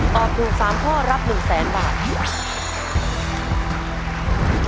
ตอบถูก๓ข้อรับ๑๐๐๐๐๐๐บาท